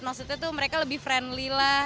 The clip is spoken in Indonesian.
maksudnya tuh mereka lebih friendly lah